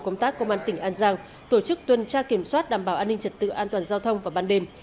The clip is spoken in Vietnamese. công tác công an tỉnh an giang tổ chức tuần tra kiểm soát đảm bảo an ninh trật tự an toàn giao thông vào ban đêm